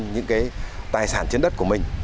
những tài sản trên đất của mình